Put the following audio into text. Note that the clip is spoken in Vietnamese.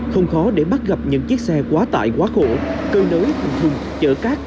không khó để bắt gặp những chiếc xe quá tải quá khổ cơi nới thành thùng chở cát